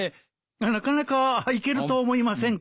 なかなかいけると思いませんか？